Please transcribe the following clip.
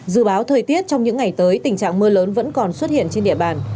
dự báo thời tiết trong những ngày tới tình trạng mưa lớn vẫn còn xuất hiện trên địa bàn